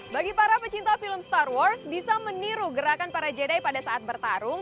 bagi para pecinta film star wars bisa meniru gerakan para jeda pada saat bertarung